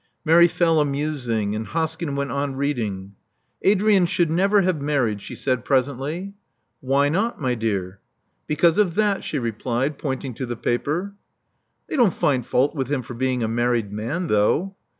Mary fell a musing; and Hoskyn went on reading. "Adrian should never have married," she said presently. "Why not, my dear?" "Because of that," she replied, pointing to the paper. "They don't find fault with him for being a married man, though."